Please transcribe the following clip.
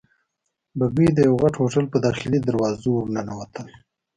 بګۍ د یوه غټ هوټل په داخلي دروازه ورننوتل.